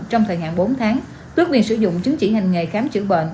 trong thời hạn bốn tháng tước quyền sử dụng chứng chỉ hành nghề khám chữa bệnh